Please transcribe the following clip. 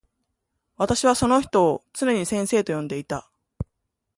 私はその人をつねに先生と呼んでいた。